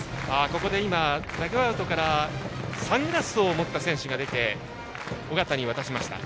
ここで今、ダグアウトからサングラスを持った選手が出て緒方に渡しました。